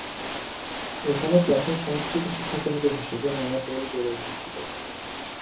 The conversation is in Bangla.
এখানে প্রাচীন সংস্কৃত শিক্ষাকেন্দ্র হিসেবে নানা টোল গড়ে উঠেছিল।